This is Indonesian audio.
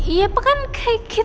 bapak juga harus ikut